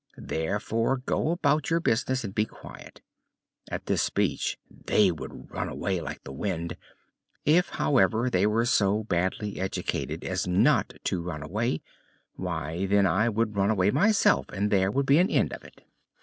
Therefore go about your business and be quiet!' At this speech they would run away like the wind. If, however, they were so badly educated as not to run away, why, then I would run away myself and there would be an end of it."